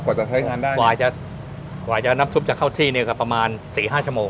จะใช้งานได้กว่าจะกว่าจะน้ำซุปจะเข้าที่เนี่ยก็ประมาณสี่ห้าชั่วโมง